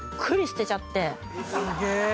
すげえ。